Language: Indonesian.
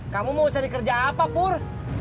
kamu mau cari kerja apa pur